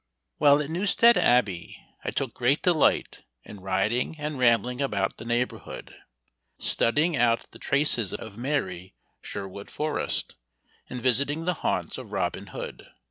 While at Newstead Abbey I took great delight in riding and rambling about the neighborhood, studying out the traces of merry Sherwood Forest, and visiting the haunts of Robin Hood.